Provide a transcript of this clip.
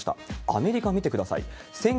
アメリカ見てください。